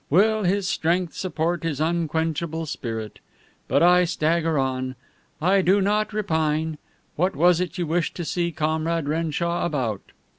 Will his strength support his unquenchable spirit?' But I stagger on. I do not repine. What was it that you wished to see Comrade Renshaw about?"